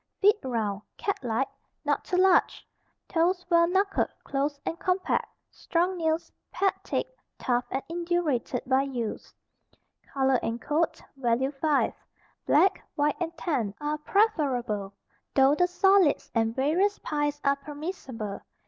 Feet round, cat like, not too large, toes well knuckled, close and compact, strong nails, pad thick, tough and indurated by use. Color and coat (value 5). Black, white and tan are preferable, though the solids and various pies are permissible.